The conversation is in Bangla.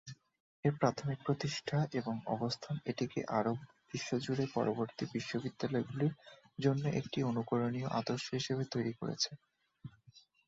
এর প্রাথমিক প্রতিষ্ঠা এবং অবস্থান এটিকে আরব বিশ্ব জুড়ে পরবর্তী বিশ্ববিদ্যালয়গুলির জন্য একটি অনুকরণীয় আদর্শ হিসাবে তৈরি করেছে।